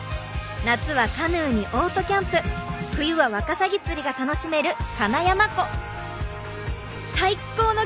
夏はカヌーにオートキャンプ冬はワカサギ釣りが楽しめるかなやま湖。